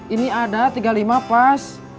ini ada tiga puluh lima pas